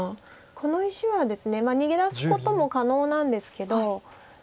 この石はですね逃げ出すことも可能なんですけど。